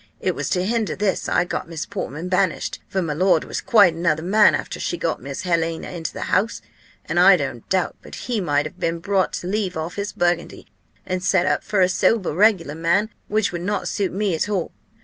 It was to hinder this I got Miss Portman banished; for my lord was quite another man after she got Miss Helena into the house; and I don't doubt but he might have been brought to leave off his burgundy, and set up for a sober, regular man; which would not suit me at all.